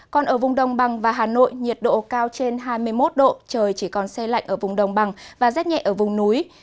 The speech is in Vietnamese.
còn ở vùng đông bằng và hà nội nhiệt độ cao trên hai mươi một độ trời chỉ còn xe lạnh ở vùng đồng bằng và rất nhẹ ở vùng núi